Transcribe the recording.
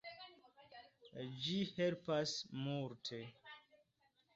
Ĝi helpas multe.